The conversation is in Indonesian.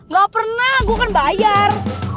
gak pernah gue kan bayar